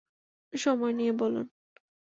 সময় নিয়ে বলুন।